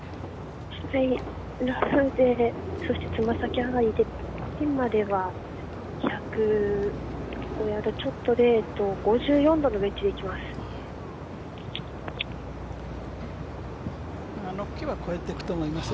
つま先上がりで、ピンまでは１０５ヤードちょっとで５４度のウェッジでいきます。